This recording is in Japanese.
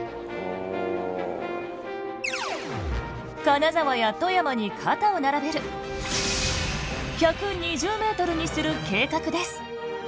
金沢や富山に肩を並べる１２０ｍにする計画です。